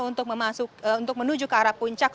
untuk menuju ke arah puncak